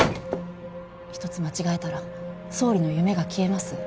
一つ間違えたら総理の夢が消えます。